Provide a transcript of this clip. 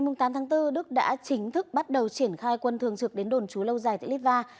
ngày tám tháng bốn đức đã chính thức bắt đầu triển khai quân thường trực đến đồn chú lâu dài tại litva